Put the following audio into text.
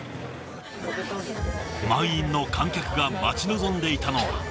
満員の観客が待ち望んでいたのは。